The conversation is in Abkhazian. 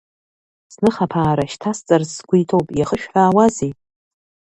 Сныхаԥаара шьҭасҵарц сгу иҭоуп, иахышәҳәаауазеи?